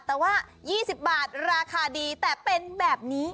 แต่ว่า๒๐บาทราคาดีแต่เป็นแบบนี้